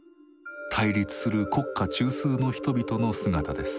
対立する国家中枢の人々の姿です。